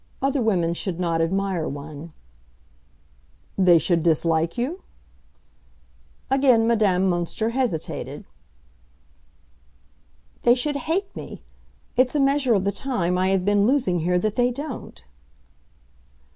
Other women should not admire one." "They should dislike you?" Again Madame Münster hesitated. "They should hate me! It's a measure of the time I have been losing here that they don't."